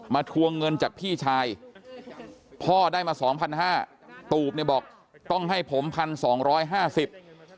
ทวงเงินจากพี่ชายพ่อได้มาสองพันห้าตูบเนี่ยบอกต้องให้ผมพันสองร้อยห้าสิบ